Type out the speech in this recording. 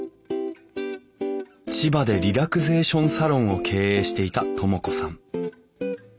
千葉でリラクゼーションサロンを経営していた智子さん。